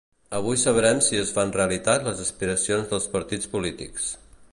Avui sabrem si es fan realitat les aspiracions dels partits polítics.